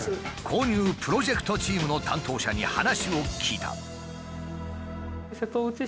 購入プロジェクトチームの担当者に話を聞いた。